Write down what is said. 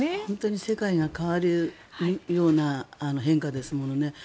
本当に世界が変わるような変化ですもんね。